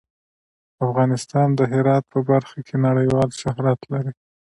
افغانستان د هرات په برخه کې نړیوال شهرت لري.